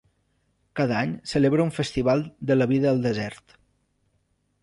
Cada any celebra un festival de la vida al desert.